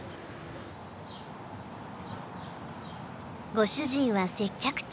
ご主人は接客中。